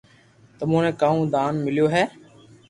تمو ني ڪاو دان مليو ھي